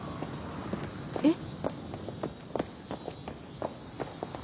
えっ？